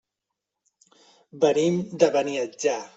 Venim de Beniatjar.